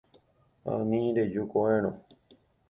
Ani reju ko'ẽrõ.